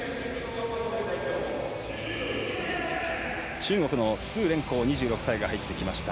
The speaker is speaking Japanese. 中国の鄒連康２６歳が入ってきました。